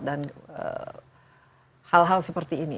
dan hal hal seperti ini